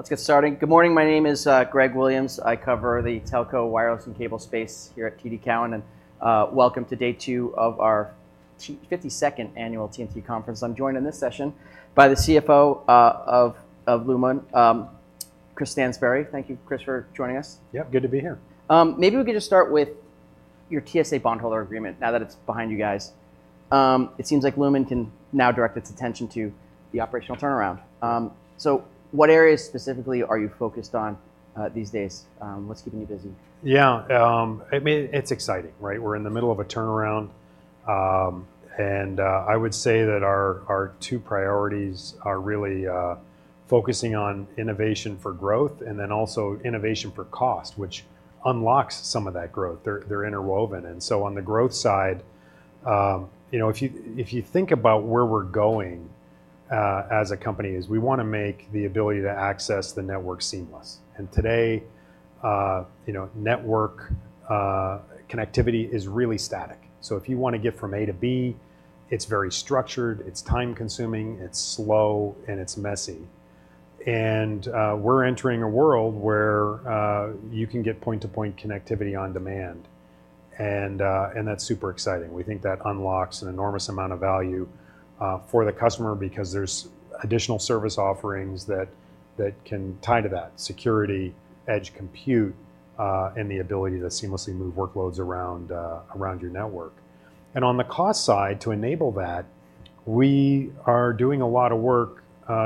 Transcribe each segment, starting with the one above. Let's get started. Good morning. My name is Greg Williams. I cover the telco, wireless, and cable space here at TD Cowen, and welcome to day two of our fifty-second annual TMT conference. I'm joined in this session by the CFO of Lumen, Chris Stansbury. Thank you, Chris, for joining us. Yeah, good to be here. Maybe we could just start with your TSA bondholder agreement, now that it's behind you guys. It seems like Lumen can now direct its attention to the operational turnaround. So what areas specifically are you focused on these days? What's keeping you busy? Yeah, I mean, it's exciting, right? We're in the middle of a turnaround. I would say that our two priorities are really focusing on innovation for growth, and then also innovation for cost, which unlocks some of that growth. They're interwoven. And so on the growth side, you know, if you think about where we're going, as a company, is we wanna make the ability to access the network seamless. And today, you know, network connectivity is really static. So if you wanna get from A to B, it's very structured, it's time-consuming, it's slow, and it's messy. And, we're entering a world where you can get point-to-point connectivity on demand, and that's super exciting. We think that unlocks an enormous amount of value for the customer because there's additional service offerings that can tie to that: security, edge compute, and the ability to seamlessly move workloads around your network. And on the cost side, to enable that, we are doing a lot of work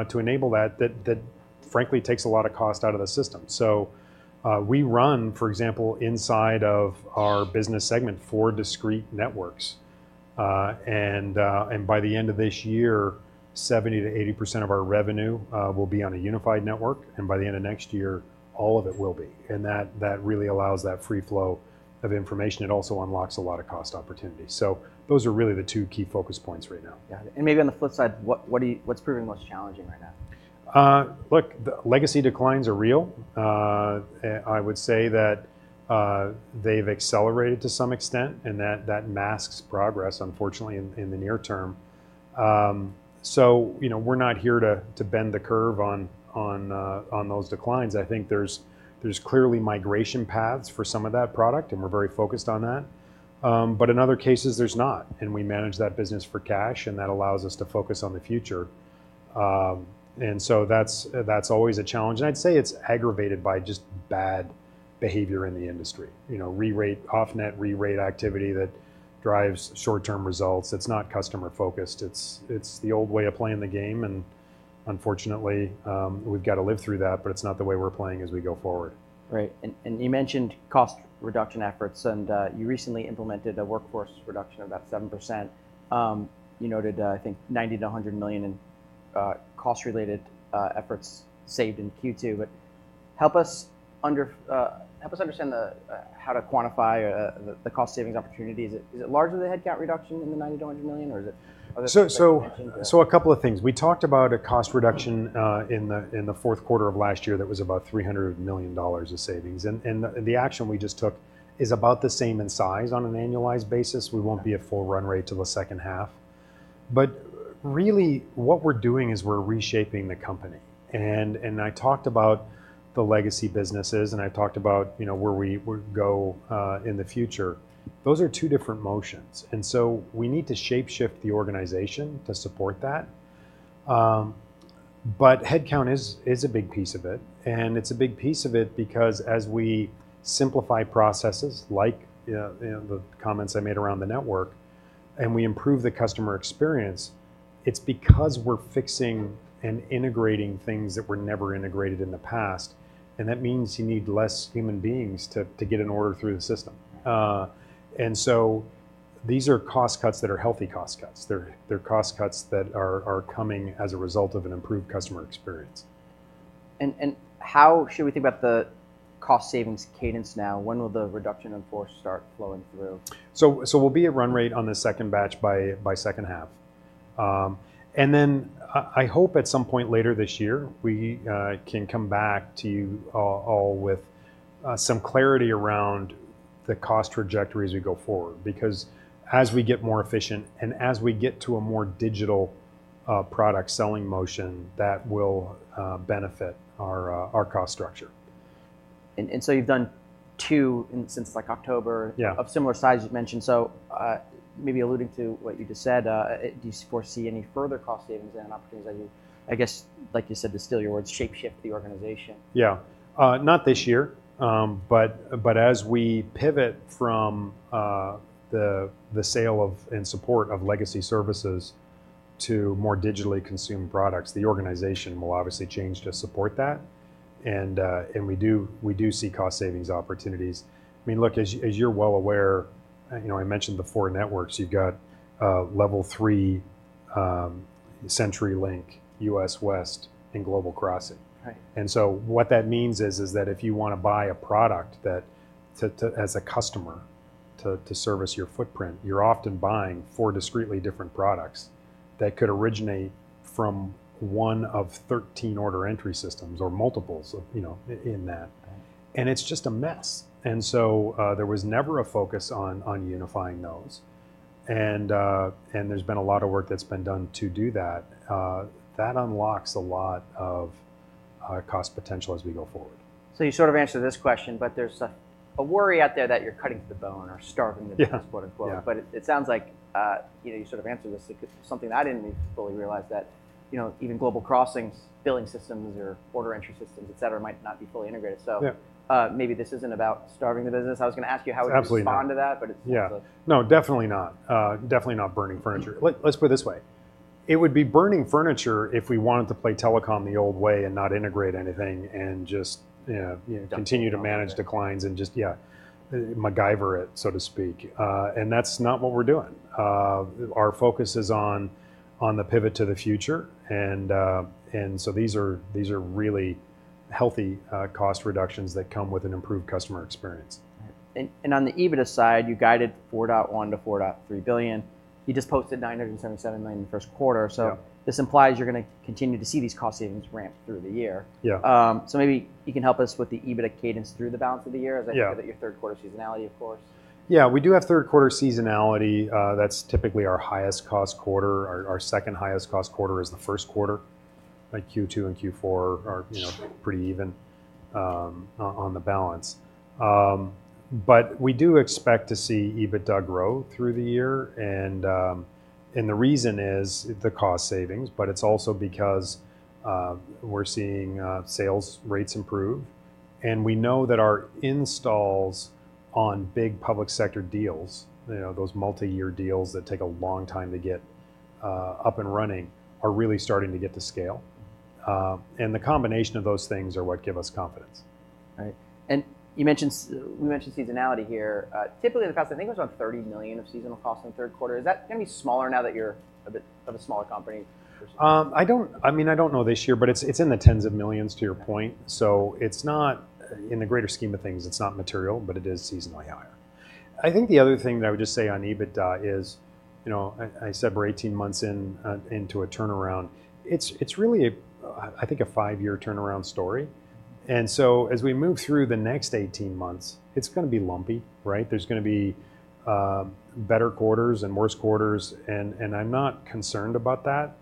to enable that, that frankly takes a lot of cost out of the system. So we run, for example, inside of our business segment, four discrete networks. And by the end of this year, 70%-80% of our revenue will be on a unified network, and by the end of next year, all of it will be. And that really allows that free flow of information. It also unlocks a lot of cost opportunities. So those are really the two key focus points right now. Yeah. And maybe on the flip side, what's proving most challenging right now? Look, the legacy declines are real. I would say that they've accelerated to some extent, and that masks progress, unfortunately, in the near term. So, you know, we're not here to bend the curve on those declines. I think there's clearly migration paths for some of that product, and we're very focused on that. But in other cases, there's not, and we manage that business for cash, and that allows us to focus on the future. And so that's always a challenge. I'd say it's aggravated by just bad behavior in the industry. You know, re-rate, off-net re-rate activity that drives short-term results. It's not customer focused. It's, it's the old way of playing the game, and unfortunately, we've got to live through that, but it's not the way we're playing as we go forward. Right. And you mentioned cost reduction efforts, and you recently implemented a workforce reduction of about 7%. You noted, I think $90 million-$100 million in cost-related efforts saved in Q2. But help us understand how to quantify the cost savings opportunity. Is it larger than the headcount reduction in the $90 million-$100 million, or is it- A couple of things. We talked about a cost reduction in the fourth quarter of last year that was about $300 million of savings. And the action we just took is about the same in size on an annualized basis. Okay. We won't be at full run rate till the second half. But really, what we're doing is we're reshaping the company. And I talked about the legacy businesses, and I talked about, you know, where we would go in the future. Those are two different motions, and so we need to shape-shift the organization to support that. But headcount is a big piece of it, and it's a big piece of it because as we simplify processes like, you know, the comments I made around the network, and we improve the customer experience, it's because we're fixing and integrating things that were never integrated in the past, and that means you need less human beings to get an order through the system. And so these are cost cuts that are healthy cost cuts. They're cost cuts that are coming as a result of an improved customer experience. How should we think about the cost savings cadence now? When will the reduction in force start flowing through? So, we'll be at run rate on the second batch by second half. And then I hope at some point later this year, we can come back to you all with some clarity around the cost trajectory as we go forward. Because as we get more efficient and as we get to a more digital product-selling motion, that will benefit our cost structure. So you've done two in since, like, October- Yeah... of similar size, you've mentioned. So, maybe alluding to what you just said, do you foresee any further cost savings and opportunities as you, I guess, like you said, to steal your words, "shape-shift the organization? Yeah. Not this year, but as we pivot from the sale of and support of legacy services to more digitally consumed products, the organization will obviously change to support that. And we do see cost savings opportunities. I mean, look, as you're well aware, you know, I mentioned the four networks. You've got Level 3, CenturyLink, US West, and Global Crossing. Right. What that means is that if you wanna buy a product that, too, as a customer, to service your footprint, you're often buying four discretely different products that could originate from one of 13 order entry systems or multiples of, you know, in that. Right. It's just a mess, and so there was never a focus on unifying those. And there's been a lot of work that's been done to do that. That unlocks a lot of cost potential as we go forward. You sort of answered this question, but there's a worry out there that you're cutting to the bone or starving- Yeah... the business, quote, unquote. Yeah. But it sounds like, you know, you sort of answered this. It could, something I didn't even fully realize that, you know, even Global Crossing's billing systems or order entry systems, et cetera, might not be fully integrated. So- Yeah... maybe this isn't about starving the business. I was gonna ask you how- Absolutely Would you respond to that, but it's- Yeah... also. No, definitely not. Definitely not burning furniture. Let's put it this way: it would be burning furniture if we wanted to play telecom the old way and not integrate anything, and just, yeah, yeah- Yeah... continue to manage declines and just, yeah, MacGyver it, so to speak. And that's not what we're doing. Our focus is on the pivot to the future, and so these are really healthy cost reductions that come with an improved customer experience. On the EBITDA side, you guided $4.1 billion-$4.3 billion. You just posted $977 million in the first quarter- Yeah... so this implies you're gonna continue to see these cost savings ramp through the year. Yeah. So maybe you can help us with the EBITDA cadence through the balance of the year? Yeah... as I think that your third quarter seasonality, of course. Yeah, we do have third quarter seasonality. That's typically our highest cost quarter. Our second highest cost quarter is the first quarter. Like, Q2 and Q4 are, you know- Sure... pretty even, on the balance. But we do expect to see EBITDA grow through the year, and the reason is the cost savings, but it's also because we're seeing sales rates improve. And we know that our installs on big public sector deals, you know, those multiyear deals that take a long time to get up and running, are really starting to get to scale. And the combination of those things are what give us confidence. Right. And you mentioned we mentioned seasonality here. Typically, the cost, I think, it was around $30 million of seasonal cost in the third quarter. Is that gonna be smaller now that you're a bit of a smaller company? I don't, I mean, I don't know this year, but it's in the tens of millions, to your point. Yeah. So it's not, in the greater scheme of things, it's not material, but it is seasonally higher. I think the other thing that I would just say on EBITDA is, you know, I said we're 18 months in, into a turnaround. It's really a, I think a five year turnaround story. And so as we move through the next 18 months, it's gonna be lumpy, right? There's gonna be, better quarters and worse quarters, and I'm not concerned about that.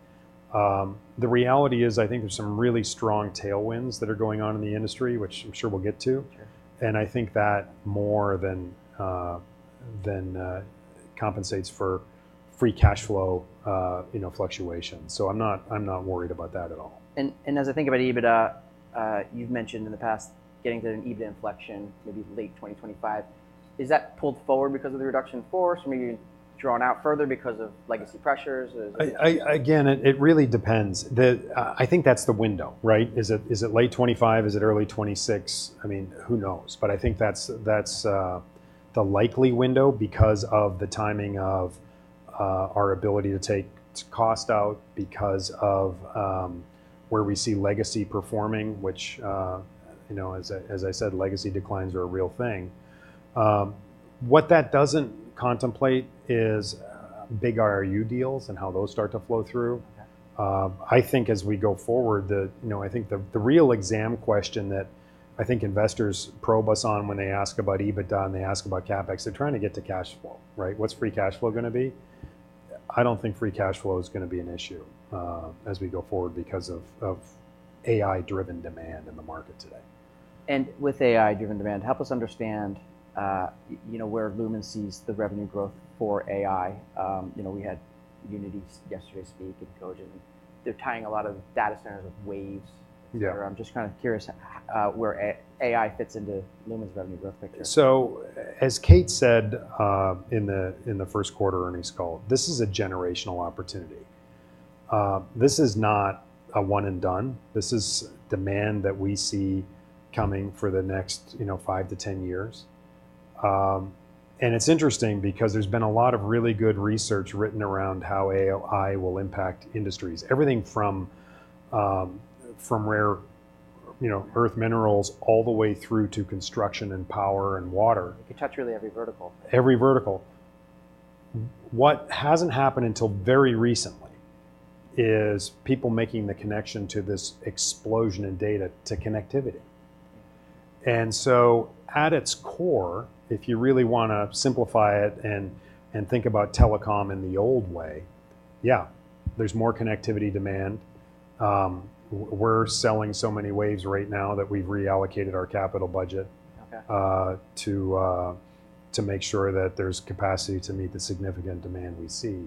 The reality is, I think there's some really strong tailwinds that are going on in the industry, which I'm sure we'll get to. Sure. I think that more than compensates for free cash flow, you know, fluctuation. I'm not, I'm not worried about that at all. As I think about EBITDA, you've mentioned in the past getting to an EBITDA inflection, maybe late 2025. Is that pulled forward because of the reduction in force, or maybe drawn out further because of legacy pressures, or is- I again, it really depends. I think that's the window, right? Is it late 2025? Is it early 2026? I mean, who knows? But I think that's the likely window because of the timing of our ability to take cost out, because of where we see legacy performing, which you know, as I said, legacy declines are a real thing. What that doesn't contemplate is big IRU deals and how those start to flow through. Yeah. I think as we go forward, you know, I think the real exam question that I think investors probe us on when they ask about EBITDA, and they ask about CapEx, they're trying to get to cash flow, right? What's free cash flow gonna be? I don't think free cash flow is gonna be an issue, as we go forward because of AI-driven demand in the market today. With AI-driven demand, help us understand, you know, where Lumen sees the revenue growth for AI. You know, we had Uniti yesterday speak and Cogent, they're tying a lot of data centers with waves. Yeah. I'm just kind of curious where AI fits into Lumen's revenue growth picture. So as Kate said, in the first quarter earnings call, this is a generational opportunity. This is not a one and done. This is demand that we see coming for the next, you know, five to 10 years. And it's interesting because there's been a lot of really good research written around how AI will impact industries. Everything from, you know, rare earth minerals, all the way through to construction and power and water. It can touch really every vertical. Every vertical. What hasn't happened until very recently is people making the connection to this explosion in data to connectivity. And so at its core, if you really wanna simplify it and think about telecom in the old way, yeah, there's more connectivity demand. We're selling so many waves right now that we've reallocated our capital budget- Okay... to make sure that there's capacity to meet the significant demand we see.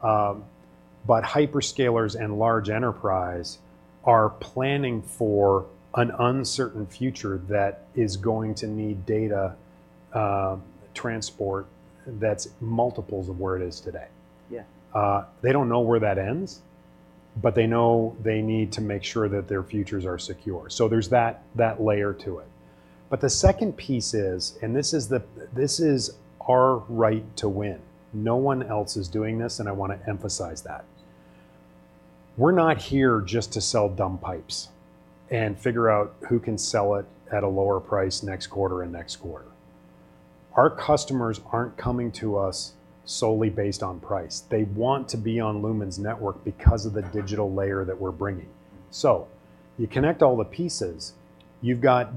But hyperscalers and large enterprise are planning for an uncertain future that is going to need data transport that's multiples of where it is today. Yeah. They don't know where that ends, but they know they need to make sure that their futures are secure. So there's that, that layer to it. But the second piece is, and this is the, this is our right to win. No one else is doing this, and I wanna emphasize that. We're not here just to sell dumb pipes and figure out who can sell it at a lower price next quarter and next quarter. Our customers aren't coming to us solely based on price. They want to be on Lumen's network because of the digital layer that we're bringing. So you connect all the pieces, you've got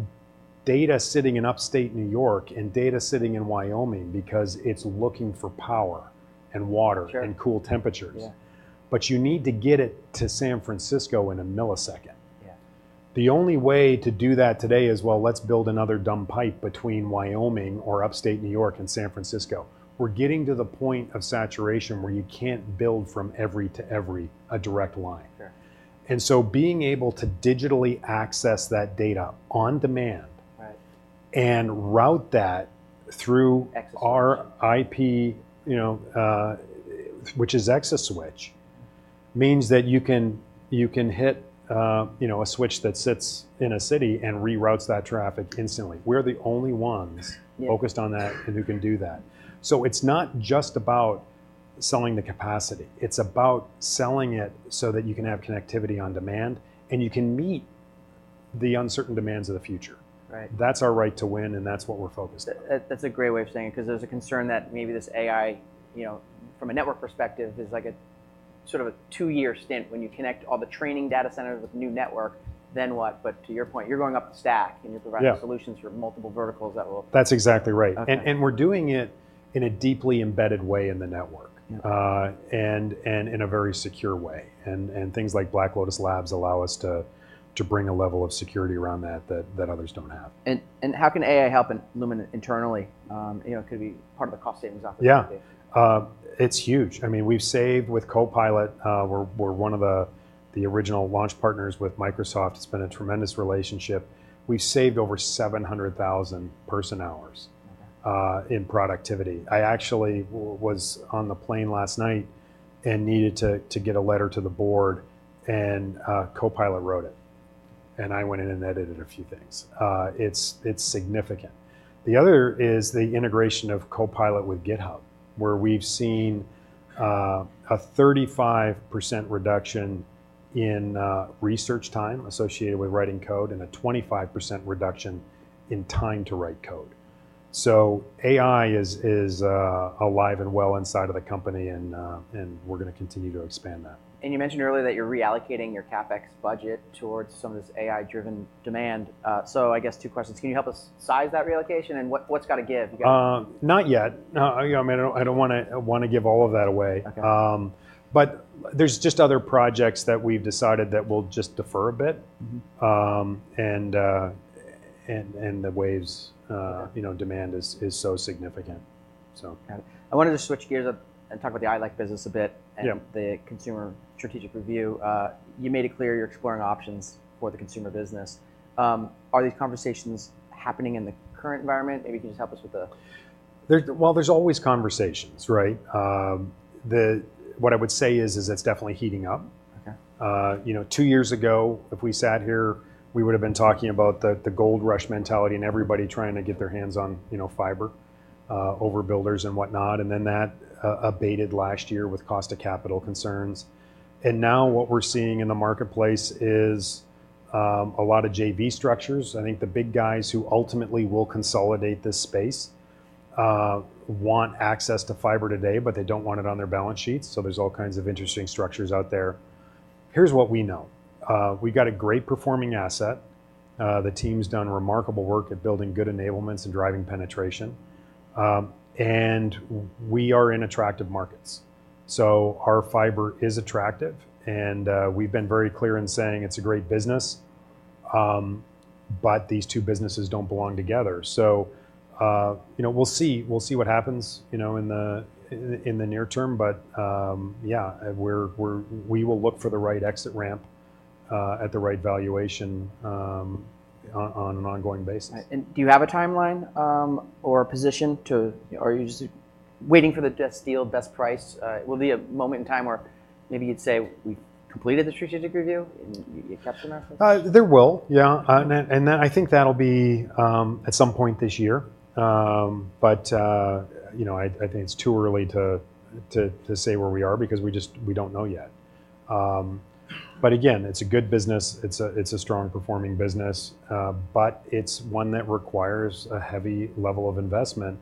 data sitting in Upstate New York and data sitting in Wyoming because it's looking for power and water- Sure and cool temperatures. Yeah. But you need to get it to San Francisco in a millisecond. Yeah. The only way to do that today is, well, let's build another dumb pipe between Wyoming or Upstate New York and San Francisco. We're getting to the point of saturation where you can't build from every to every, a direct line. Sure. Being able to digitally access that data on demand- Right... and route that through- ExaSwitch... our IP, you know, which is ExaSwitch, means that you can, you can hit, you know, a switch that sits in a city and reroutes that traffic instantly. We're the only ones- Yeah... focused on that, and who can do that. So it's not just about selling the capacity, it's about selling it so that you can have connectivity on demand, and you can meet the uncertain demands of the future. Right. That's our right to win, and that's what we're focused on. That, that's a great way of saying it, 'cause there's a concern that maybe this AI, you know, from a network perspective, is like a sort of a two-year stint when you connect all the training data centers with new network, then what? But to your point, you're going up the stack, and you're- Yeah providing solutions for multiple verticals that will- That's exactly right. Okay. We're doing it in a deeply embedded way in the network- Yeah... and in a very secure way. And things like Black Lotus Labs allow us to bring a level of security around that that others don't have. How can AI help in Lumen internally? You know, it could be part of the cost savings opportunity. Yeah. It's huge. I mean, we've saved with Copilot, we're one of the original launch partners with Microsoft. It's been a tremendous relationship. We've saved over 700,000 person-hours in productivity. I actually was on the plane last night and needed to get a letter to the board, and Copilot wrote it, and I went in and edited a few things. It's significant. The other is the integration of Copilot with GitHub, where we've seen a 35% reduction in research time associated with writing code, and a 25% reduction in time to write code. So AI is alive and well inside of the company, and we're gonna continue to expand that. You mentioned earlier that you're reallocating your CapEx budget towards some of this AI-driven demand. So I guess two questions: Can you help us size that relocation, and what, what's gotta give? You got- Not yet. No, I mean, I don't wanna give all of that away. Okay. But there's just other projects that we've decided that we'll just defer a bit. Mm-hmm. And the waves Right... you know, demand is so significant. So- Got it. I wanted to switch gears up and talk about the ILEC business a bit- Yeah ... and the consumer strategic review. You made it clear you're exploring options for the consumer business. Are these conversations happening in the current environment? Maybe you can just help us with the- Well, there's always conversations, right? What I would say is, it's definitely heating up. Okay. You know, two years ago, if we sat here, we would've been talking about the gold rush mentality and everybody trying to get their hands on fiber, overbuilders and whatnot, and then that abated last year with cost of capital concerns. And now what we're seeing in the marketplace is a lot of JV structures. I think the big guys who ultimately will consolidate this space want access to fiber today, but they don't want it on their balance sheets. So there's all kinds of interesting structures out there. Here's what we know. We've got a great performing asset. The team's done remarkable work at building good enablements and driving penetration. And we are in attractive markets, so our fiber is attractive, and we've been very clear in saying it's a great business. But these two businesses don't belong together. So, you know, we'll see. We'll see what happens, you know, in the near term, but, yeah, we will look for the right exit ramp at the right valuation on an ongoing basis. And do you have a timeline, or a position to... Are you just waiting for the best deal, best price? Will there be a moment in time where maybe you'd say, "We've completed the strategic review," and you, you captured that first? There will, yeah. And then I think that'll be at some point this year. But you know, I think it's too early to say where we are because we just don't know yet. But again, it's a good business. It's a strong performing business, but it's one that requires a heavy level of investment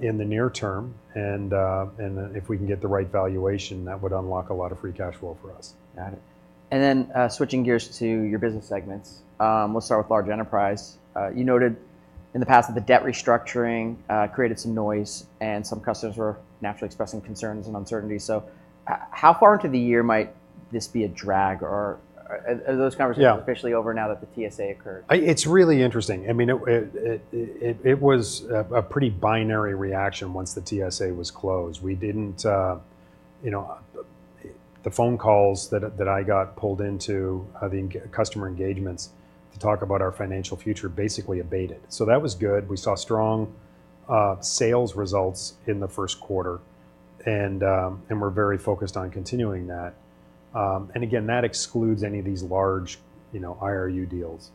in the near term, and then if we can get the right valuation, that would unlock a lot of free cash flow for us. Got it. And then, switching gears to your business segments. We'll start with large enterprise. You noted in the past that the debt restructuring created some noise, and some customers were naturally expressing concerns and uncertainty. So how far into the year might this be a drag, or are those conversations- Yeah... officially over now that the TSA occurred? It's really interesting. I mean, it was a pretty binary reaction once the TSA was closed. We didn't. You know, the phone calls that I got pulled into, the end-customer engagements to talk about our financial future basically abated. So that was good. We saw strong sales results in the first quarter, and we're very focused on continuing that. And again, that excludes any of these large, you know, IRU deals.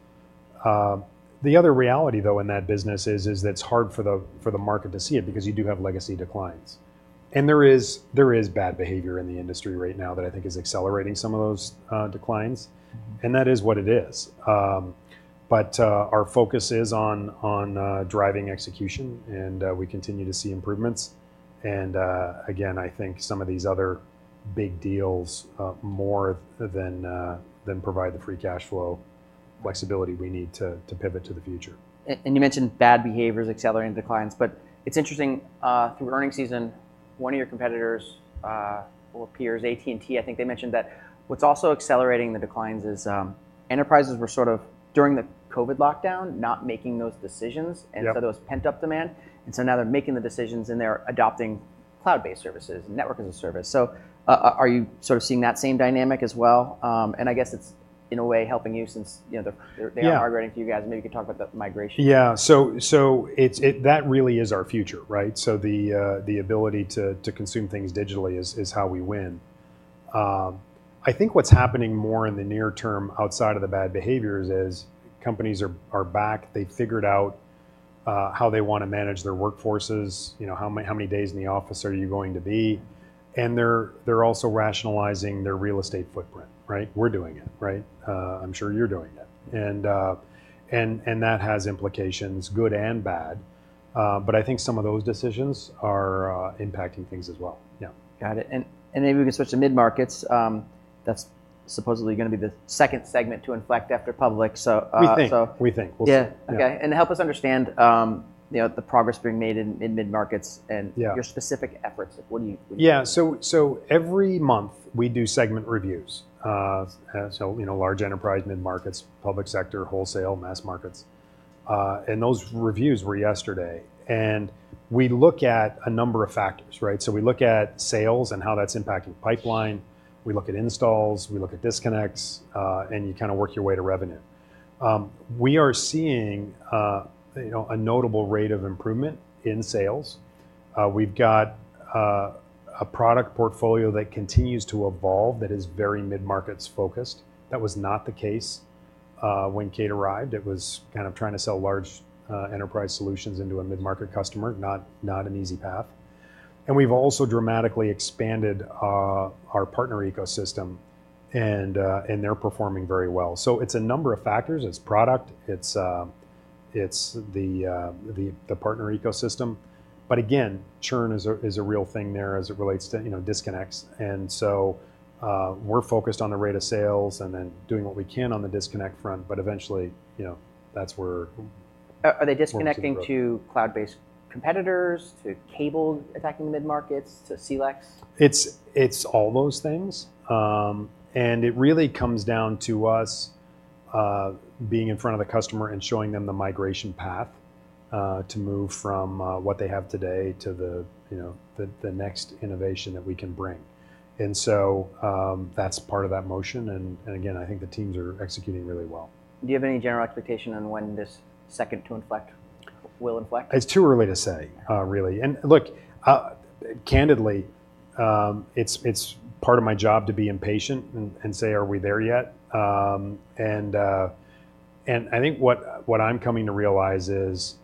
The other reality, though, in that business is that it's hard for the market to see it because you do have legacy declines. And there is bad behavior in the industry right now that I think is accelerating some of those declines, and that is what it is. But, our focus is on driving execution, and we continue to see improvements. Again, I think some of these big deals more than provide the free cash flow flexibility we need to pivot to the future. And you mentioned bad behaviors accelerating declines, but it's interesting, through earnings season, one of your competitors, or peers, AT&T, I think they mentioned that what's also accelerating the declines is, enterprises were sort of, during the COVID lockdown, not making those decisions- Yeah. And so there was pent-up demand. And so now they're making the decisions, and they're adopting cloud-based services, network as a service. So, are you sort of seeing that same dynamic as well? And I guess it's in a way helping you since, you know, they're- Yeah... they are migrating to you guys, maybe you can talk about the migration. Yeah. So it's that really is our future, right? So the ability to consume things digitally is how we win. I think what's happening more in the near term outside of the bad behaviors is companies are back. They've figured out how they want to manage their workforces. You know, how many days in the office are you going to be? And they're also rationalizing their real estate footprint, right? We're doing it, right? I'm sure you're doing it. And that has implications, good and bad. But I think some of those decisions are impacting things as well. Yeah. Got it. And then we can switch to mid-markets. That's supposedly gonna be the second segment to inflect after public, so- We think, we think. Yeah. We'll see. Okay. Yeah. Help us understand, you know, the progress being made in mid-markets and- Yeah... your specific efforts. What do you Yeah, so every month, we do segment reviews. So, you know, large enterprise, mid-markets, public sector, wholesale, mass markets. And those reviews were yesterday. And we look at a number of factors, right? So we look at sales and how that's impacting pipeline, we look at installs, we look at disconnects, and you kind of work your way to revenue. We are seeing, you know, a notable rate of improvement in sales. We've got a product portfolio that continues to evolve, that is very mid-markets focused. That was not the case when Kate arrived. It was kind of trying to sell large enterprise solutions into a mid-market customer, not an easy path. And we've also dramatically expanded our partner ecosystem, and they're performing very well. So it's a number of factors: it's product, it's the partner ecosystem. But again, churn is a real thing there as it relates to, you know, disconnects. And so, we're focused on the rate of sales and then doing what we can on the disconnect front, but eventually, you know, that's where- Are they disconnecting- we're seeing growth. to cloud-based competitors, to cable attacking mid-markets, to CLECs? It's all those things. And it really comes down to us being in front of the customer and showing them the migration path to move from what they have today to the, you know, the next innovation that we can bring. And so, that's part of that motion, and again, I think the teams are executing really well. Do you have any general expectation on when this second to inflect will inflect? It's too early to say, really. Look, candidly, it's part of my job to be impatient and say: Are we there yet? I think what I'm coming to realize is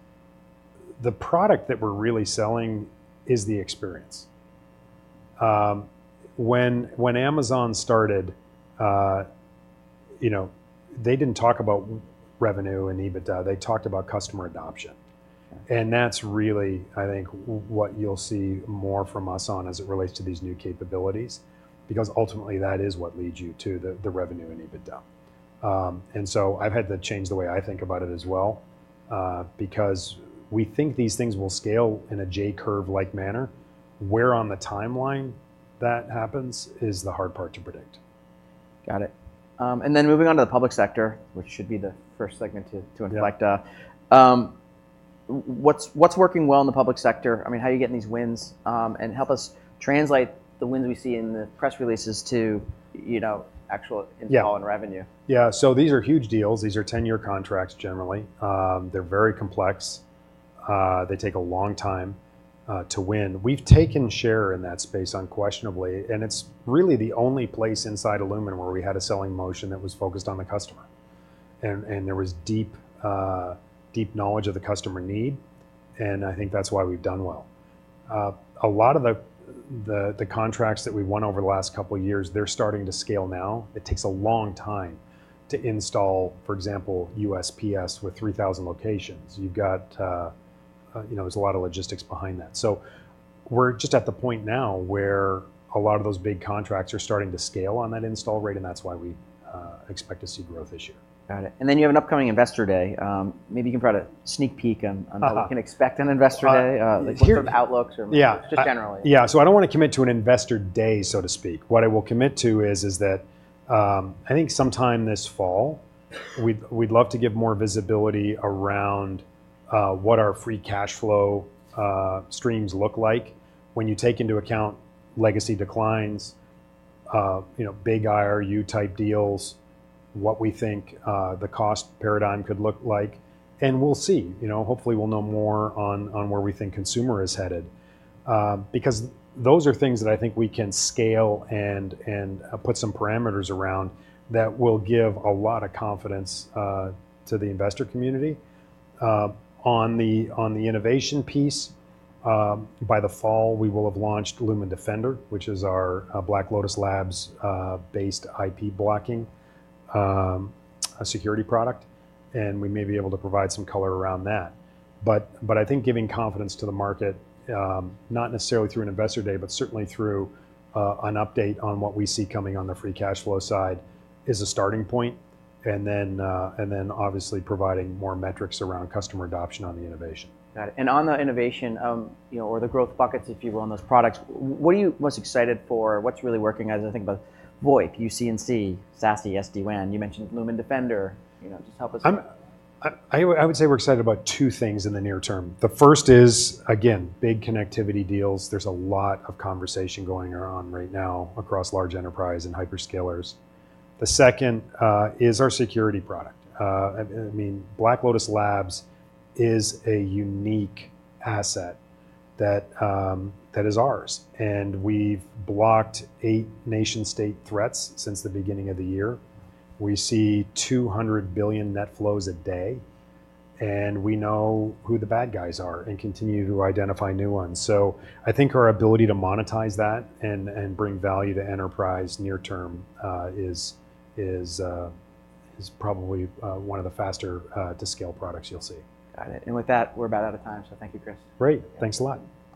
the product that we're really selling is the experience. When Amazon started, you know, they didn't talk about revenue and EBITDA, they talked about customer adoption. Yeah. And that's really, I think, what you'll see more from us on as it relates to these new capabilities, because ultimately, that is what leads you to the, the revenue and EBITDA. And so I've had to change the way I think about it as well, because we think these things will scale in a J-curve-like manner. Where on the timeline that happens is the hard part to predict. Got it. And then moving on to the public sector, which should be the first segment to inflect. Yeah. What's working well in the public sector? I mean, how are you getting these wins? And help us translate the wins we see in the press releases to, you know, actual- Yeah install and revenue. Yeah, so these are huge deals. These are ten-year contracts, generally. They're very complex. They take a long time to win. We've taken share in that space, unquestionably, and it's really the only place inside Lumen where we had a selling motion that was focused on the customer. And there was deep, deep knowledge of the customer need, and I think that's why we've done well. A lot of the contracts that we've won over the last couple of years, they're starting to scale now. It takes a long time to install, for example, USPS with 3,000 locations. You've got, you know, there's a lot of logistics behind that. So we're just at the point now where a lot of those big contracts are starting to scale on that install rate, and that's why we expect to see growth this year. Got it. And then you have an upcoming investor day. Maybe you can provide a sneak peek on, on- Uh... what we can expect on investor day? Uh, here- Like in terms of outlooks or- Yeah... just generally. Yeah. So I don't wanna commit to an investor day, so to speak. What I will commit to is that I think sometime this fall, we'd love to give more visibility around what our free cash flow streams look like when you take into account legacy declines, you know, big IRU-type deals, what we think the cost paradigm could look like, and we'll see. You know, hopefully, we'll know more on where we think consumer is headed. Because those are things that I think we can scale and put some parameters around that will give a lot of confidence to the investor community. On the innovation piece, by the fall, we will have launched Lumen Defender, which is our Black Lotus Labs-based IP blocking security product, and we may be able to provide some color around that. But I think giving confidence to the market, not necessarily through an investor day, but certainly through an update on what we see coming on the free cash flow side, is a starting point. And then obviously providing more metrics around customer adoption on the innovation. Got it. And on the innovation, you know, or the growth buckets, if you will, on those products, what are you most excited for? What's really working as I think about VoIP, UC&C, SASE, SD-WAN, you mentioned Lumen Defender, you know, just help us- I would say we're excited about two things in the near term. The first is, again, big connectivity deals. There's a lot of conversation going around right now across large enterprise and hyperscalers. The second is our security product. I mean, Black Lotus Labs is a unique asset that is ours, and we've blocked eight nation-state threats since the beginning of the year. We see 200 billion net flows a day, and we know who the bad guys are and continue to identify new ones. So I think our ability to monetize that and bring value to enterprise near term is probably one of the faster to scale products you'll see. Got it. And with that, we're about out of time, so thank you, Chris. Great. Yeah. Thanks a lot.